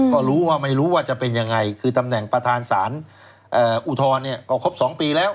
ก็รู้ว่าไม่รู้ว่าจะเป็นยังไงคือตำแหน่งประธานศาลอุทธรณ์เนี่ยก็ครบ๒ปีแล้ว